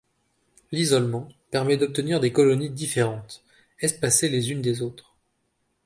L'isolement permet d'obtenir des colonies différentes, espacées les unes des autres.